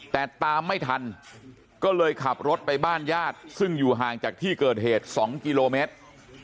แต่ตามไม่ทันก็เลยขับรถไปบ้านญาติซึ่งอยู่ห่างจากที่เกิดเหตุ๒กิโลเมตร